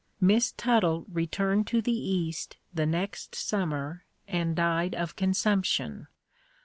Miss Tuttle returned to the east the next summer and died of consumption.